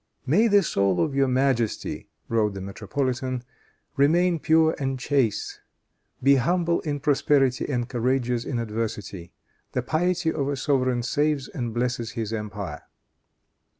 "May the soul of your majesty," wrote the metropolitan, "remain pure and chaste. Be humble in prosperity and courageous in adversity. The piety of a sovereign saves and blesses his empire."